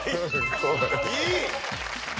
いい！